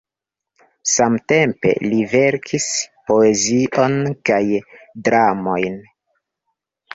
Samtempe li verkis poezion kaj dramojn.